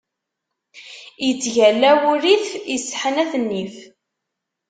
Ittgalla wurif, isseḥnat nnif.